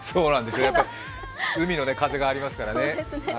やっぱり海の風がありますからね。